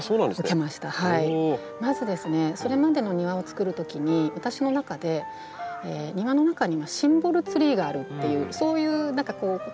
まずそれまでの庭をつくるときに私の中で庭の中にはシンボルツリーがあるっていうそういう固定概念があったんですね。